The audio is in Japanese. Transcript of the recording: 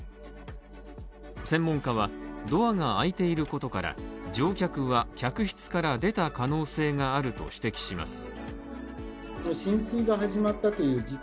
専門家は、ドアが開いていることから、乗客は客室から出た可能性があると指摘します。